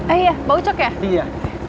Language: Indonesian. iya bau cok ya